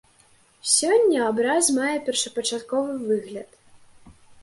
Сёння абраз мае першапачатковы выгляд.